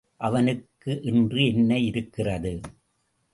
அவனுக்கு என்று என்ன இருக்கிறது?